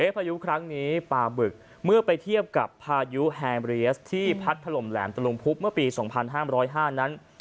พายุครั้งนี้ปาบึกเมื่อไปเทียบกับพายุแฮมเรียสที่พัดถล่มแหลมตะลุมพุบเมื่อปี๒๕๐๕นั้น